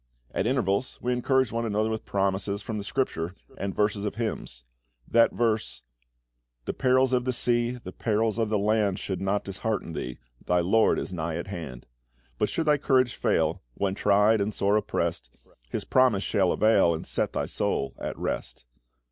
At intervals we encouraged one another with promises from the Scripture and verses of hymns. That verse "The perils of the sea, the perils of the land, Should not dishearten thee: thy LORD is nigh at hand. But should thy courage fail, when tried and sore oppressed, His promise shall avail, and set thy soul at rest."